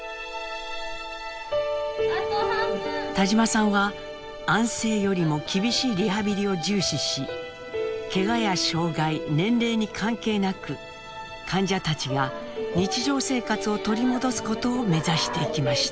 田島さんは安静よりも厳しいリハビリを重視しケガや障害年齢に関係なく患者たちが日常生活を取り戻すことを目指してきました。